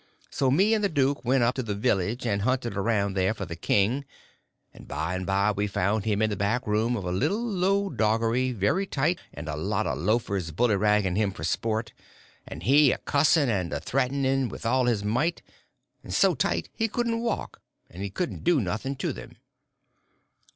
So me and the duke went up to the village, and hunted around there for the king, and by and by we found him in the back room of a little low doggery, very tight, and a lot of loafers bullyragging him for sport, and he a cussing and a threatening with all his might, and so tight he couldn't walk, and couldn't do nothing to them.